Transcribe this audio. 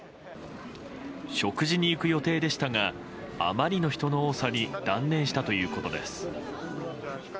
食事に行く予定でしたがあまりの人の多さに断念したということです。